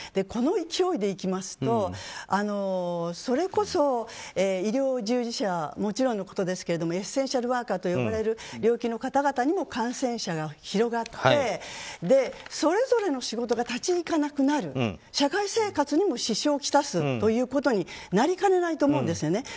この勢いでいきますとそれこそ医療従事者はもちろんのことですけれどもエッセンシャルワーカーと呼ばれる方にも感染者が広がってそれぞれの仕事が立ち行かなくなる社会生活にも支障を来すということになりかねないと思うんですよね。